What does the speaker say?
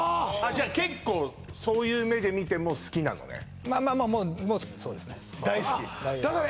じゃ結構そういう目で見ても好きなのねまあまあまあもうそうですね大好き？